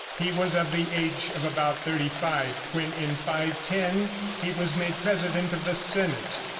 He was of the age of about thirty five when, in 510, he was made president of the senate.